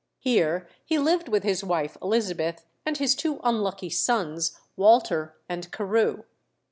Here he lived with his wife Elizabeth, and his two unlucky sons Walter and Carew.